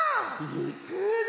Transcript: いくぞ。